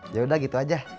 ya udah gitu aja